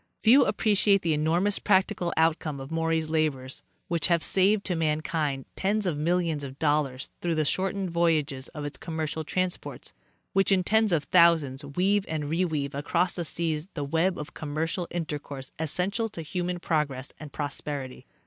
Few appre ciate the enormous practical outcome of Maury's labors, which have saved to mankind tens of millions of dollars through the shortened voyages of its commercial transports, which in tens of thousands, weave and reweave across the seas the web of com mercial intercourse essential to human progress and prosperity.